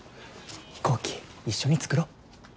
飛行機一緒に作ろ。